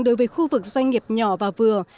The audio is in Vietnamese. đối với khu vực doanh nghiệp nhỏ và vừa